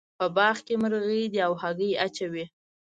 په باغ کې مرغۍ دي او هګۍ اچوې